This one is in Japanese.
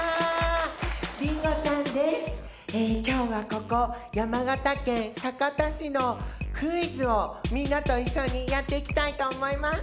今日はここ山形県酒田市のクイズをみんなと一緒にやっていきたいと思います。